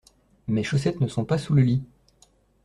Mes chaussettes ne sont pas sous le lit.